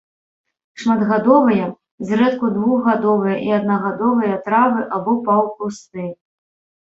Шматгадовыя, зрэдку двухгадовыя і аднагадовыя травы або паўкусты.